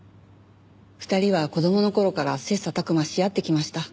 ２人は子供の頃から切磋琢磨し合ってきました。